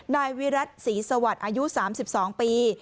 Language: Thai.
นายวีรัฐศรีสวรรค์อายุ๓๒ปี